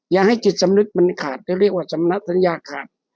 อย่าให้จิตสำนึกมันขาดจะเรียกว่าสำนักสัญญาขาด